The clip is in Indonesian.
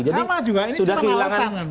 nah sama juga ini cuma melesak